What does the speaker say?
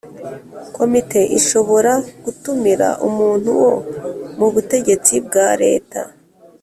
Komite ishobora gutumira umuntu wo mu butegetsi bwa Leta